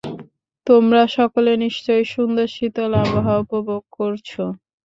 তোমরা সকলে নিশ্চয়ই সুন্দর শীতল আবহাওয়া উপভোগ করছ।